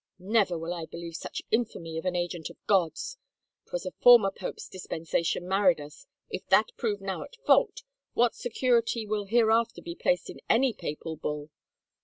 Never will I believe such infamy of an agent of God's! 'Twas a former pope's dispensation married us : if that prove now at fault, what security will hereafter be placed in any papal bull